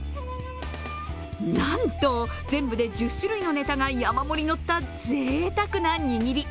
なんと全部で１０種類のネタが山盛りのったぜいたくなにぎり。